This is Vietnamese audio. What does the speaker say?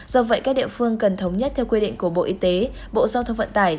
do vậy các địa phương cần thống nhất theo quy định của bộ y tế bộ giao thông vận tải